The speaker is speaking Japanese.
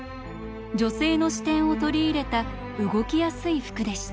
女性の視点を取り入れた動きやすい服でした。